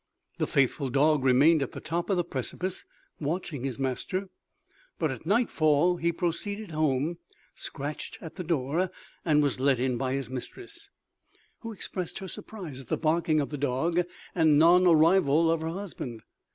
The faithful dog remained at the top of the precipice watching his master; but at nightfall he proceeded home, scratched the door, and was let in by his mistress, who expressed her surprise at the barking of the dog and non arrival of her husband.